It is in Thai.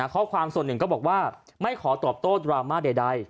ข้อความส่วนหนึ่งก็บอกว่าไม่ขอตอบโต้ดราม่าใด